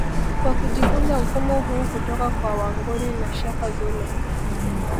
Kwa kujifunza mfumo huu kutoka kwa Wangoni na Shaka Zulu